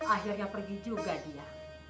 akhirnya pergi juga dia